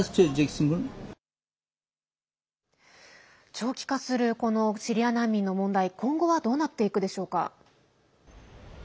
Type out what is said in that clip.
長期化するこのシリア難民の問題、今後はどうなっていくでしょうか？